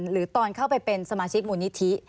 หรือตอนเข้าไปเป็นสมาชิกมูลนิธิ